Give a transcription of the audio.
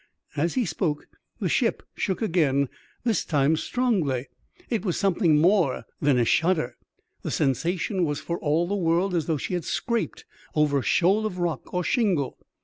As he spoke the ship shook again, this time strongly; it was something more than a shudder, the sensation was for all the world as though she had scraped over a shoal of rock or shingle.